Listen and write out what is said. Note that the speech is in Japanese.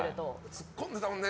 ツッコんでたもんね。